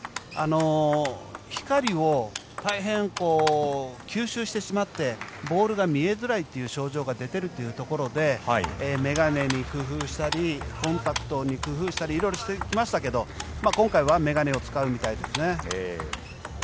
光を大変吸収してしまってボールが見えづらいという症状が出ているというところで眼鏡に工夫したりコンタクトに工夫したり色々してきましたけど今回は眼鏡を使うみたいですね。